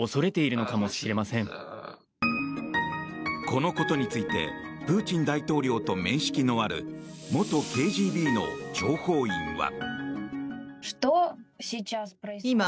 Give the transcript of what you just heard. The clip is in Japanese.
このことについてプーチン大統領と面識のある元ＫＧＢの諜報員は。